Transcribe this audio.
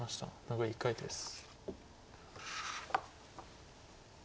残り１回です。